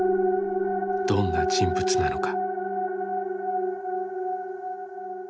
どんな人物なのか。